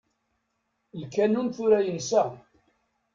Lkanun tura yensa.